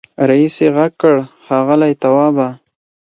رئيسې غږ کړ ښاغلی توابه.